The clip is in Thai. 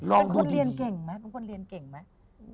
เป็นคนเรียนเก่งไหมเป็นคนเรียนเก่งไหม